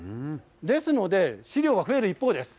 ですので、資料は増える一方です。